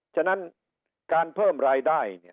ฉะนั้นการเพิ่มรายได้